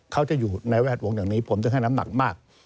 เขาจะอยู่ในแวดวงอย่างนี้ผมจะให้น้ำหนักมาก